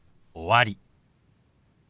「終わり」。